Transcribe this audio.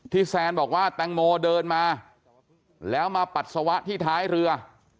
แซนบอกว่าแตงโมเดินมาแล้วมาปัสสาวะที่ท้ายเรือ